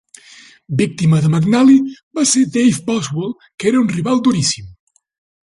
Víctima de McNally va ser Dave Boswell, que era un rival duríssim.